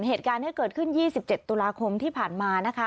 เหตุการณ์เนี่ยเกิดขึ้นยี่สิบเจ็ดตุลาคมที่ผ่านมานะคะ